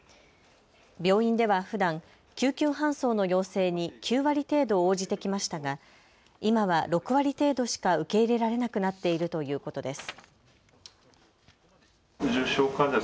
病院ではふだん救急搬送の要請に９割程度応じてきましたが今は６割程度しか受け入れられなくなっているということです。